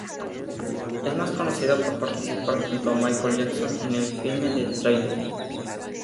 Es más conocida por participar junto a Michael Jackson en el filme de Thriller.